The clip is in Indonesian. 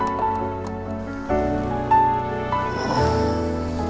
aku mau istirahat lagi